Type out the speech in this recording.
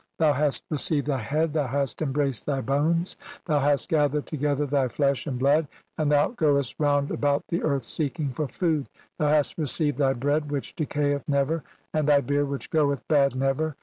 Thou hast received "thy head, thou hast embraced thy bones, thou hast "gathered together thy flesh and blood, and thou "goest round about the earth seeking for food ; thou "hast received thy bread which decayeth never, and "thy beer which goeth bad never.